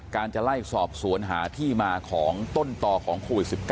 การจะไล่สอบสวนหาที่มาของต้นต่อของโควิด๑๙